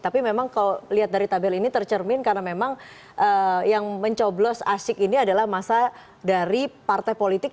tapi memang kalau lihat dari tabel ini tercermin karena memang yang mencoblos asyik ini adalah masa dari partai politik